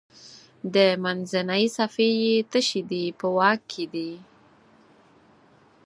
منځنۍ صفحې یې تشې دي په واک کې دي.